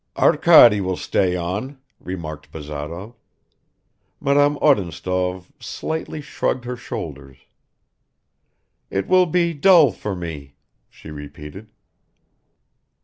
"Arkady will stay on," remarked Bazarov. Madame Odintsov slightly shrugged her shoulders. "It will be dull for me," she repeated.